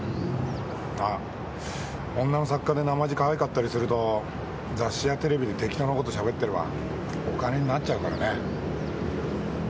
まあ女の作家でなまじかわいかったりすると雑誌やテレビで適当なことしゃべってればお金になっちゃうからね。